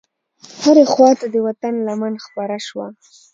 هرې خواته د وطن لمن خپره شوه.